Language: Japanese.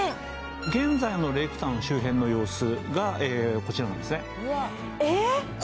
現在のレイクタウンの周辺の様子がこちらなんですね